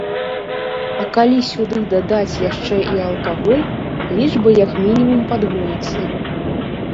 А калі сюды дадаць яшчэ і алкаголь, лічба як мінімум падвоіцца.